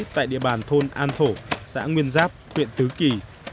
tại địa bàn thôn an thổ xã nguyên giáp huyện tứ kỳ